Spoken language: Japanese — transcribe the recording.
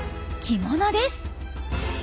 着物です。